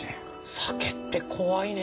酒って怖いね。